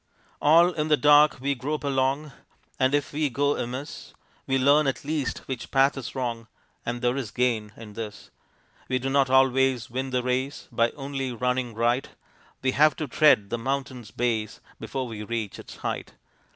All in the dark we grope along, And if we go amiss We learn at least which path is wrong, And there is gain in this. We do not always win the race By only running right, We have to tread the mountain's base Before we reach its height.